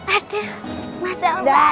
aduh masa amat ya